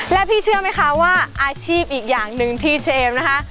และพี่เชื่อไหมคะว่าอาชีพอีกอย่างหนึ่งที่เชมนะคะ